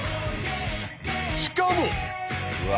しかも。